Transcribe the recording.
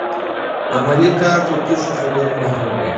عملي کار تر تشو خبرو مهم دی.